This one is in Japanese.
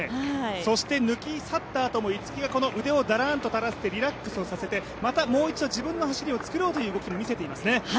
抜き去ったあとも逸木が腕をだらんと垂らしてリラックスをさせて、またもう一度自分の走りを作ろうという動きも見せていますね。